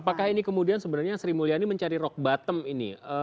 apakah ini kemudian sebenarnya sri mulyani mencari rock bottom ini